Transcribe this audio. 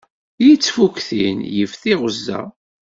Yettfuktin yif tiɣezza.